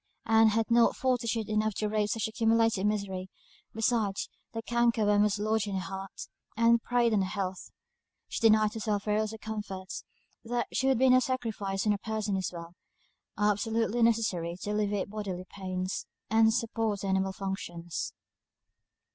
Ann had not fortitude enough to brave such accumulated misery; besides, the canker worm was lodged in her heart, and preyed on her health. She denied herself every little comfort; things that would be no sacrifice when a person is well, are absolutely necessary to alleviate bodily pain, and support the animal functions.